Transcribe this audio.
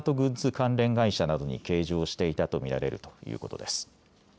関連会社などに計上していたと見られるということです。